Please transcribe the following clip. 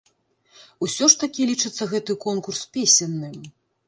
Усё ж такі лічыцца гэты конкурс песенным.